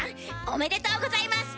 おめでとうございます！